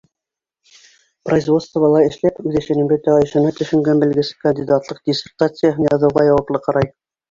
Производствола эшләп, үҙ эшенең бөтә айышына төшөнгән белгес кандидатлыҡ диссертацияһын яҙыуға яуаплы ҡарай.